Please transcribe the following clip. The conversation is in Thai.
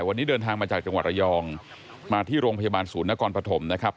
วันนี้เดินทางมาจากจังหวัดระยองมาที่โรงพยาบาลศูนย์นครปฐมนะครับ